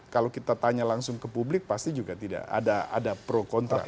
kalau kita tanya langsung ke publik pasti juga tidak ada pro kontra